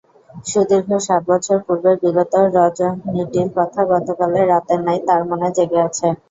সুদীর্ঘ সাত বছর পূর্বের বিগত রজনীটির কথা গতকালের রাতের ন্যায় তার মনে জেগে আছে।